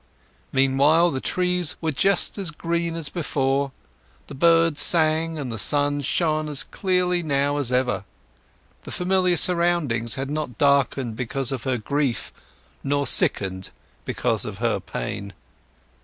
Meanwhile the trees were just as green as before; the birds sang and the sun shone as clearly now as ever. The familiar surroundings had not darkened because of her grief, nor sickened because of her pain.